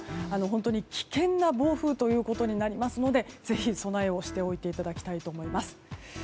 本当に危険な暴風となりますのでぜひ、備えをしておいていただきたいと思います。